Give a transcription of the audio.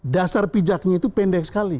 dasar pijaknya itu pendek sekali